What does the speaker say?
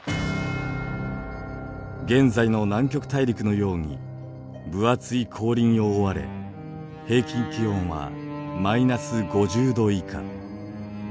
現在の南極大陸のように分厚い氷に覆われ平均気温はマイナス５０度以下。